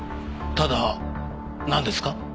ただなんですか？